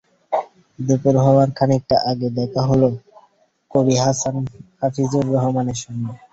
দুপুর হওয়ার খানিকটা আগে দেখা হলো কবি হাসান হাফিজুর রহমানের সঙ্গে।